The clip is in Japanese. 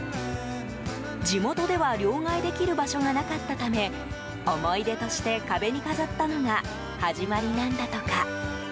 地元では両替できる場所がなかったため思い出として壁に飾ったのが始まりなんだとか。